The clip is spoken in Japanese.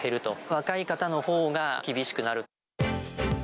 若い方のほうが厳しくなる。